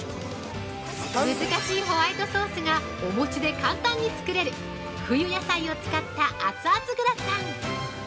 ◆難しいホワイトソースがお餅で簡単に作れる冬野菜を使った熱々グラタン。